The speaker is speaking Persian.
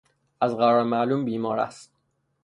از قرار معلوم بیمار است.